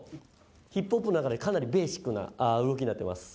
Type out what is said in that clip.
ヒップホップの中でかなりベーシックな動きになってます。